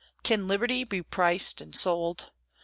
Can liberty be priced and sold?